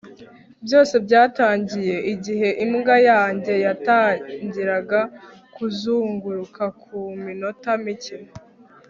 byose byatangiye igihe imbwa yanjye yatangiraga kuzunguruka ku minota mike